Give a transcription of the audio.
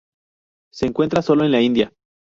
Se encuentra sólo en India.